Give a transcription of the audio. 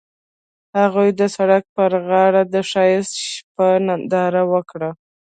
هغوی د سړک پر غاړه د ښایسته شپه ننداره وکړه.